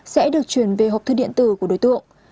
sẽ được chuyển về hộp thư điện tử của đối tượng